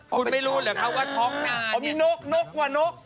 คุณไม่รู้หรือคะว่าท้องนานี้มีนกนกว่านก